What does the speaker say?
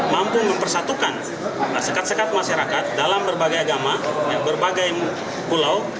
mampu mempersatukan sekat sekat masyarakat dalam berbagai agama berbagai pulau